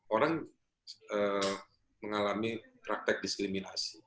orang mengalami raktek diskriminasi